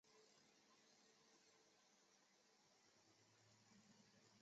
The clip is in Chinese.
全碟皆由作曲。